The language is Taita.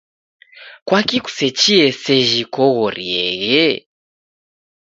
Kwaki kusechie sejhi koghorieghe?